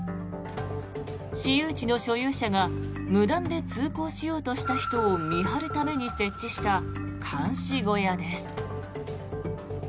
私有地の所有者が無断で通行しようとした人を見張るために設置した監視小屋です。